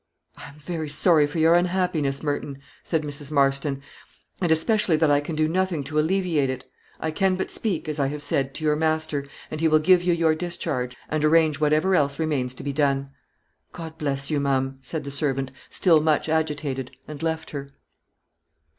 "I am very sorry for your unhappiness, Merton," said Mrs. Marston; "and, especially, that I can do nothing to alleviate it; I can but speak, as I have said, to your master, and he will give you your discharge, and arrange whatever else remains to be done." "God bless you, ma'am," said the servant, still much agitated, and left her.